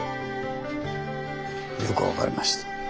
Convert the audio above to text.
よく分かりました。